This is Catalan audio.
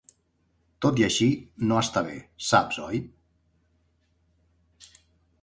Tot i així, no està bé, saps; oi?